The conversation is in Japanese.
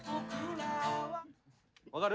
分かる？